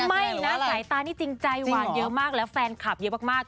ไม่นะสายตานี่จริงใจหวานเยอะมากแล้วแฟนคลับเยอะมาก